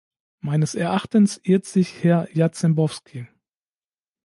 Meines Erachtens irrt sich Herr Jarzembowski.